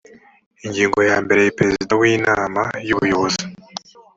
ingingo ya mbere perezida w inama y ubuyobozi